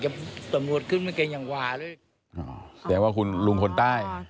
แสดงว่าคุณหลุมคนใต้